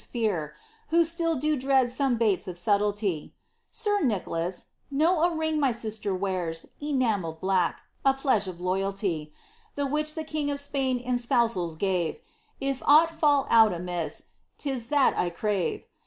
She said (since nought exceodeth woman's fears^ Who still do dread some baits of subtlety,) * Sir Nicholas, know a ring my sister wears, Enamelled black, a pledge of loyalty. The which the king of Spain in spousals gave,— If ought fall out amiss, 't is that I crave.